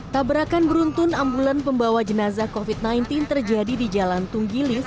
tabrakan beruntun ambulan pembawa jenazah covid sembilan belas terjadi di jalan tunggilis